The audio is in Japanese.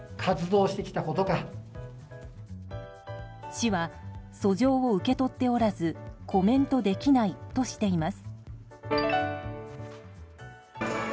市は訴状を受け取っておらずコメントできないとしています。